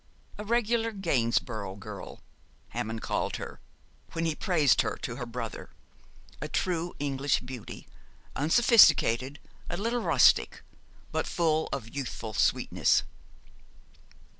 A regular Gainsborough girl, Hammond called her, when he praised her to her brother; a true English beauty, unsophisticated, a little rustic, but full of youthful sweetness.